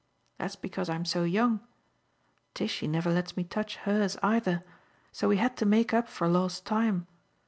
That's because I'm so young. Tishy never lets me touch hers either; so we had to make up for lost time.